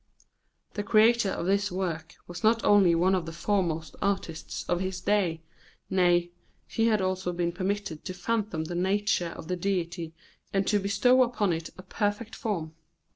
The creator of this work was not only one of the foremost artists of his day, nay, he had also been permitted to fathom the nature of the deity and to bestow upon it a perfect form.